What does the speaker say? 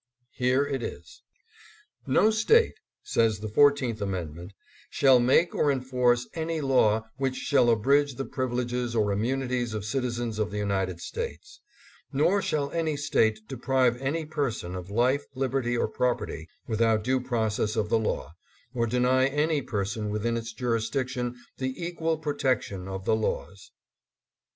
Here it is :—" No state," says the Fourteenth Amendment, " shall make or enforce any law which shall abridge the privi leges or immunities of citizens of the United States; nor shall any state deprive any person of life, liberty, or property, without due process of the law ; or deny any person within its jurisdiction the equal protection of the laws."